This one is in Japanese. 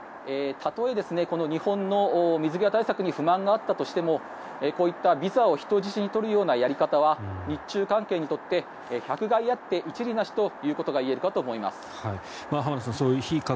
例えば、日本の水際対策に不満があったとしてもこういったビザを人質に取るようなやり方は日中関係にとって百害あって一利なしといえるかと思います。